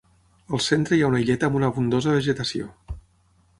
Al centre hi ha una illeta amb una abundosa vegetació.